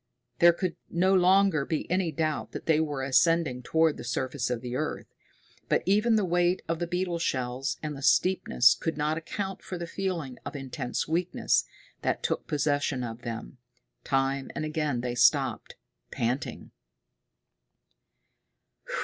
There could no longer be any doubt that they were ascending toward the surface of the earth. But even the weight of the beetle shells and the steepness could not account for the feeling of intense weakness that took possession of them. Time and again they stopped, panting.